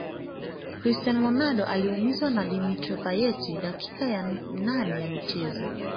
cristiano ronaldo aliumizwa na dimitr payet dakika ya nane ya mchezo